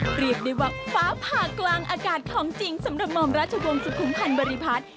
เรียกได้ว่าฟ้าผ่ากลางอากาศของจริงสำหรับหม่อมราชวงศ์สุขุมพันธ์บริพัฒน์